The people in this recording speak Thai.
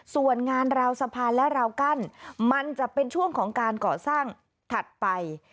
ส่วนงานราวสะพานและราวกั้นมันจะเป็นช่วงของการก่อสร้างถัดไป